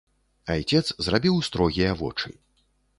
Айцец зрабіў строгія вочы.